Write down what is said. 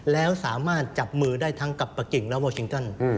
แล้วสามารถจับมือได้ทั้งกับปะกิ่งและวอร์ชิงตัน